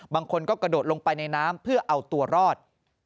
บางคนก็กระโดดลงไปในน้ำเพื่อเอาตัวรอด